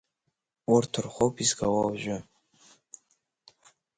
Урҭ рхәоуп изгауа уажәы.